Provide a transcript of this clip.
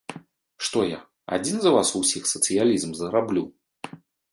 Што я, адзін за вас усіх сацыялізм зраблю?